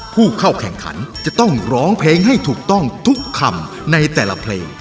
ผู้เข้าแข่งขันจะต้องร้องเพลงให้ถูกต้องทุกคำในแต่ละเพลง